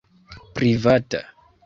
Privata.